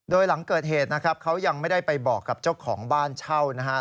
โดยหลังเกิดเหตุนะครับเขายังไม่ได้ไปบอกกับเจ้าของบ้านเช่านะฮะ